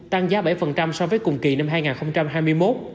tăng giá bảy so với cùng kỳ năm hai nghìn hai mươi một